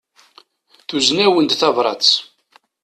Tuzen-awen-d tabrat.